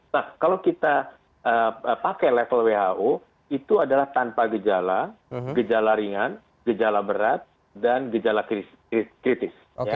nah kalau kita pakai level who itu adalah tanpa gejala gejala ringan gejala berat dan gejala kritis